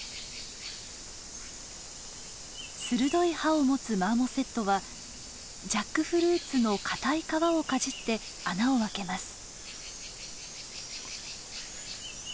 鋭い歯を持つマーモセットはジャックフルーツの堅い皮をかじって穴を開けます。